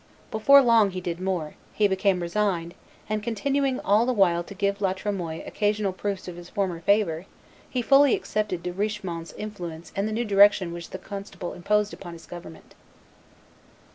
Before long he did more; he became resigned, and, continuing all the while to give La Tremoille occasional proofs of his former favor, he fully accepted De Richemont's influence and the new direction which the constable imposed upon his government.